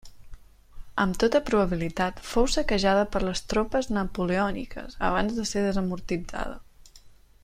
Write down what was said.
Amb tota probabilitat fou saquejada per les tropes napoleòniques, abans de ser desamortitzada.